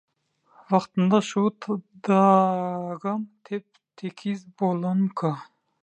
Wagtynda şu dagam tep-tekiz bolanmyka?